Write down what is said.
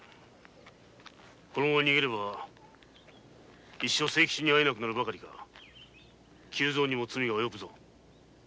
このまま逃げれば一生清吉には会えなくなるばかりか久造にも罪が及ぶぞ。